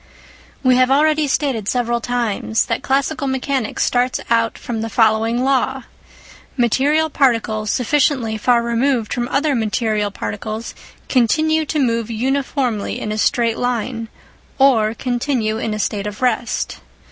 We have already stated several times that classical mechanics starts out from the following law: Material particles sufficiently far removed from other material particles continue to move uniformly in a straight line or continue in a state of rest.